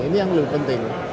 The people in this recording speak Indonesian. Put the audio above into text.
ini yang lebih penting